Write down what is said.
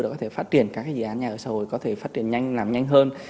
để có thể phát triển các dự án nhà ở xã hội có thể phát triển nhanh làm nhanh hơn